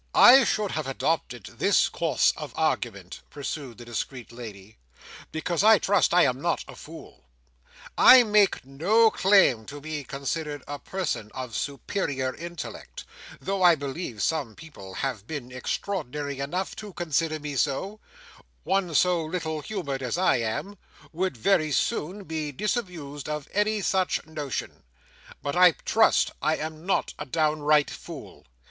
"I should have adopted this course of argument," pursued the discreet lady, "because I trust I am not a fool. I make no claim to be considered a person of superior intellect—though I believe some people have been extraordinary enough to consider me so; one so little humoured as I am, would very soon be disabused of any such notion; but I trust I am not a downright fool.